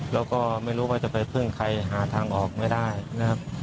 แล้วก็ไม่รู้ว่าจะไปพึ่งใครหาทางออกไม่ได้นะครับ